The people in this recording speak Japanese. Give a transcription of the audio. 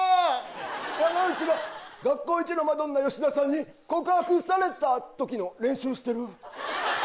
山内が学校いちのマドンナヨシダさんに告白された時の練習してる。